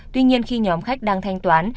tuy nhiên khi nhóm khách đang thanh toán